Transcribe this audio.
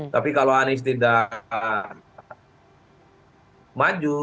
tapi kalau anies tidak maju